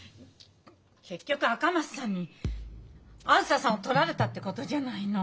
結局赤松さんにあづささんをとられたってことじゃないの！